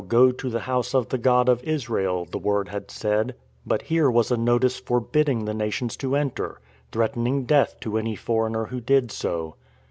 . go to the House of the God of Israel," the word had said, but here was a notice forbidding the nations to enter, threatening death to any foreigner who did so.